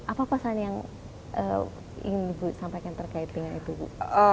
apa pesan yang ingin ibu sampaikan terkait dengan itu bu